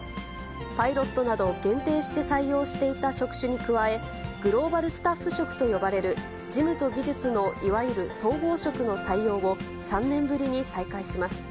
パイロットなど限定して採用していた職種に加え、グローバルスタッフ職と呼ばれる事務と技術のいわゆる総合職の採用を３年ぶりに再開します。